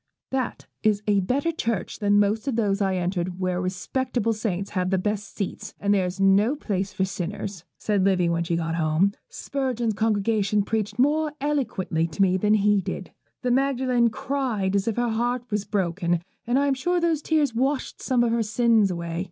'That is a better church than most of those I enter where respectable saints have the best seats, and there is no place for sinners,' said Livy when she got home. 'Spurgeon's congregation preached more eloquently to me than he did. The Magdalen cried as if her heart was broken, and I am sure those tears washed some of her sins away.